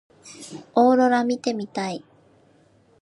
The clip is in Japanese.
オーロラ見てみたい。